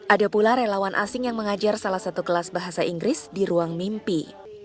ada pula relawan asing yang mengajar salah satu kelas bahasa inggris di ruang mimpi